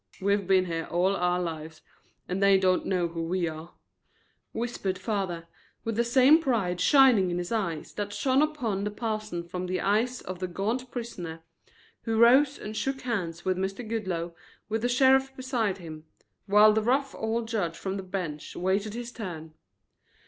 We've been here all our lives and they don't know who we are," whispered father, with the same pride shining in his eyes that shone upon the parson from the eyes of the gaunt prisoner, who rose and shook hands with Mr. Goodloe with the sheriff beside him, while the rough old judge from the bench waited his turn.